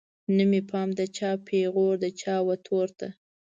نه مې پام د چا پیغور د چا وتور ته